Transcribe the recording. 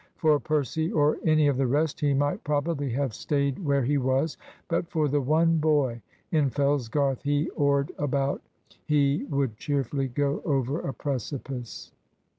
For Percy or any of the rest he might probably have stayed where he was; but for the one boy in Fellsgarth he oared about he would cheerfully go over a precipice.